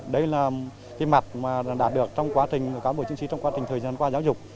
đây là cái mặt mà đã được trong quá trình cán bộ chiến sĩ trong quá trình thời gian qua giáo dục